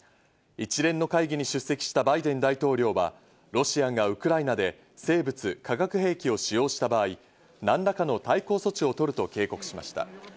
一連の会議に出席したバイデン大統領は、ロシアがウクライナで生物・化学兵器を使用した場合、何らかの対抗措置をとると警告しました。